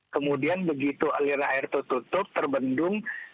kemudian begitu aliran air itu tutup terbendung